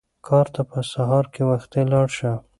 کار ته په سهار کې وختي لاړ شه.